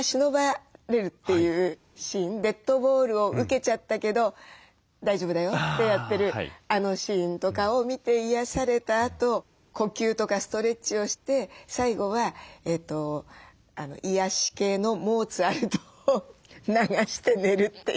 デッドボールを受けちゃったけど大丈夫だよってやってるあのシーンとかを見て癒やされたあと呼吸とかストレッチをして最後は癒やし系のモーツァルトを流して寝るという。